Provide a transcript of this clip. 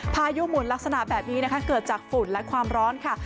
พายุหมุนลักษณะแบบนี้นะคะเกิดจากฝุ่นและความร้อนค่ะ